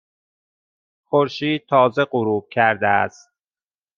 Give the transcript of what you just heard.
خورشید تازه غروب کرده است.